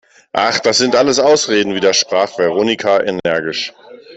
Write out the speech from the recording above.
Ach, das sind alles Ausreden!, widersprach Veronika energisch.